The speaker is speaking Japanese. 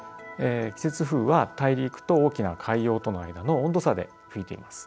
季節風は大陸と大きな海洋との間の温度差で吹いています。